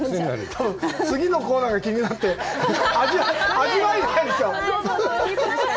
多分次のコーナーが気になって、味わえないでしょう？